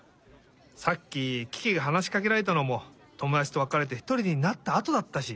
さっきキキがはなしかけられたのもともだちとわかれてひとりになったあとだったし。